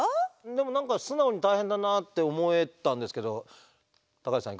でも何か素直に大変だなって思えたんですけど高橋さん